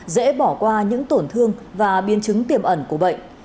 dễ bỏ qua những tổn thương và biến chứng tiềm ẩn của bệnh